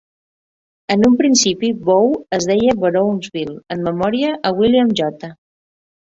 En un principi Bow es deia Borownsville, en memòria a William J.